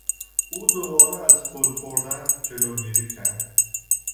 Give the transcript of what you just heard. او دوبار از گل خوردن جلوگیری کرد.